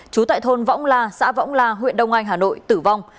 trú tại thôn võng la xã võng la huyện đông anh hà nội tử vong